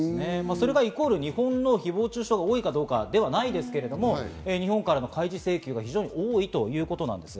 それがイコール日本の誹謗中傷が多いかどうかではないですけど、日本からの開示請求が非常に多いということなんです。